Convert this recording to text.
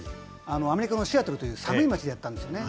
アメリカ・シアトルという寒い町でやったんですね。